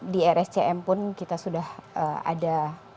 di rscm pun kita sudah ada